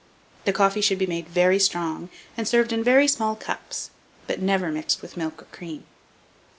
The coffee should be made very strong, and served in very small cups, but never mixed with milk or cream.